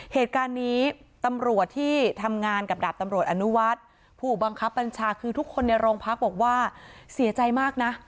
เหตุการณ์นี้ตำรวจที่ทำงานกับดาบตำรวจอนุวัฒน์ผู้บังคับบัญชาคือทุกคนในโรงพักบอกว่าเสียใจมากนะ